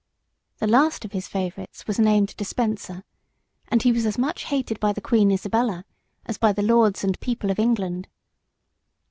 The last of his favourites was named Despenser, and he was as much hated by the Queen Isabella as by the lords and people of England.